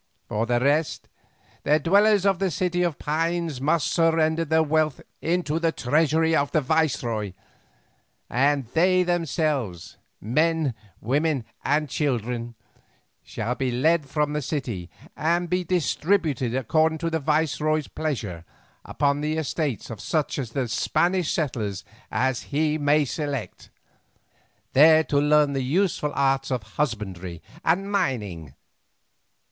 For the rest, the dwellers in the City of Pines must surrender their wealth into the treasury of the viceroy, and they themselves, men, women and children, shall be led from the city and be distributed according to the viceroy's pleasure upon the estates of such of the Spanish settlers as he may select, there to learn the useful arts of husbandry and mining.